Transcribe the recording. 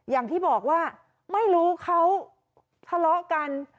อย่างที่บอกว่าไม่รู้เขาทะเลาะกัน